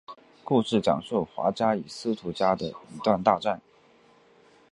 故事讲述华家与司徒家的一段大战。